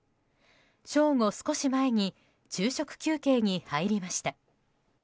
正午少し前に昼食休憩に入りました。